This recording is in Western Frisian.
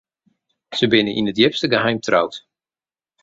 Sy binne yn it djipste geheim troud.